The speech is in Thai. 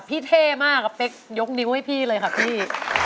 เท่มากอเป๊กยกนิ้วให้พี่เลยค่ะพี่